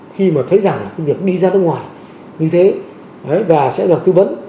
khi mà thấy rằng việc đi ra nước ngoài như thế và sẽ được tư vấn